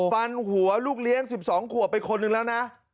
ฟันหัวลูกเลี้ยง๑๒ขวบไปคนหนึ่งแล้วนะ